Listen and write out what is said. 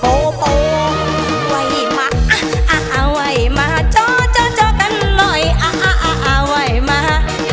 โปโปไหวมาอะอะอะไหวมาเจ้าเจ้าเจ้ากันหน่อยอะอะอะอะไหวมา